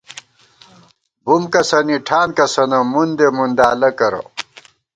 بُوم کسَنی ٹھان کسَنہ ، مُندے مُندالہ کرہ